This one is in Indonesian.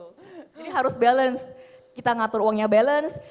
jadi harus balance kita ngatur uangnya balance